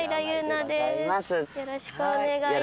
よろしくお願いします。